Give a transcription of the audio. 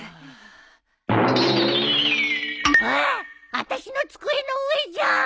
あたしの机の上じゃん！